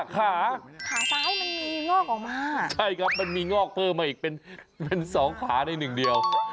ขาขาซ้ายมันมีงอกออกมาใช่ครับมันมีงอกเพิ่มมาอีกเป็นสองขาในหนึ่งเดียว